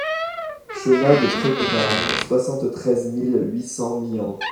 Chemin de Pré Quenard, soixante-treize mille huit cents Myans